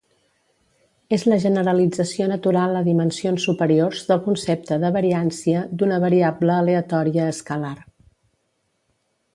És la generalització natural a dimensions superiors del concepte de variància d'una variable aleatòria escalar.